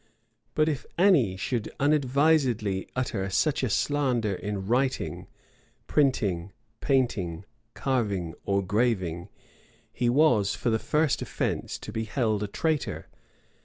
But if any should unadvisedly utter such a slander in writing, printing, painting, carving, or graving, he was, for the first offence, to be held a traitor.